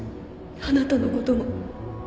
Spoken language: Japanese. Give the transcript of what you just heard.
あなたのことも